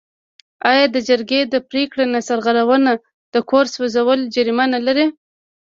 آیا د جرګې د پریکړې نه سرغړونه د کور سوځول جریمه نلري؟